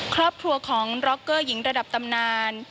ครอบครัวของร็อกเกอร์หญิงระดับตำนาน